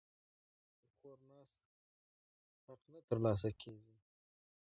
په کور ناست حق نه ترلاسه کیږي.